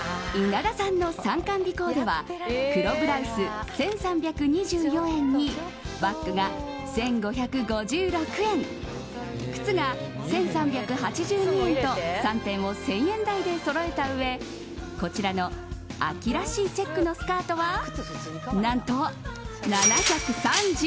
稲田さんの参観日コーデは黒ブラウス、１３２４円にバッグが１５５６円靴が１３８２円と３点を１０００円台でそろえたうえこちらの秋らしいチェックのスカートは何と７３２円！